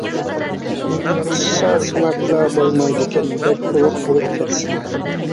تۇتسا سۆڭەكلا بولمايدىكەن بەك ئورۇق بولۇپ كەتسىمۇ.